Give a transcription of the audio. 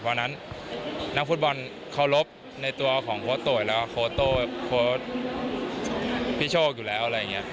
เพราะฉะนั้นนักฟุตบอลเคารพในตัวของโค้ชโต๋ยและโค้ชโต๋พี่โชคอยู่แล้ว